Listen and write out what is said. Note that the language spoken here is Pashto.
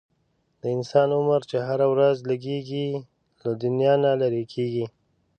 د انسان عمر چې هره ورځ لږیږي، له دنیا نه لیري کیږي